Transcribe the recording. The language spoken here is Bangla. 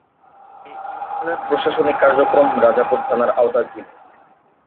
এ ইউনিয়নের প্রশাসনিক কার্যক্রম রাজাপুর থানার আওতাধীন।